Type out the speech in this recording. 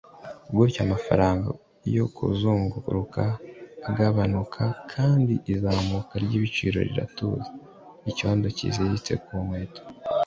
Gutyo amafaranga yo kuzunguruka aragabanuka, kandi izamuka ryibiciro riratuza. Icyondo cyiziritse ku nkweto.